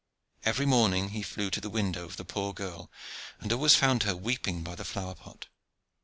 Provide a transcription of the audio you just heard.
Every morning he flew to the window of the poor girl, and always found her weeping by the flower pot.